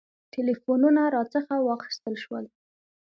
ټلفونونه راڅخه واخیستل شول.